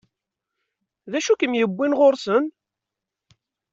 D acu i kem-yewwin ɣur-sen?